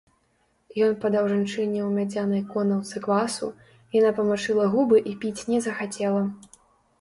Ён падаў жанчыне ў мядзянай конаўцы квасу, яна памачыла губы і піць не захацела.